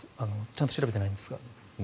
ちゃんと調べていないんですが。